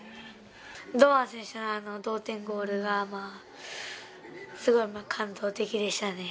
堂安選手の同点ゴールがすごい感動的でしたね。